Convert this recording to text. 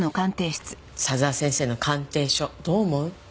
佐沢先生の鑑定書どう思う？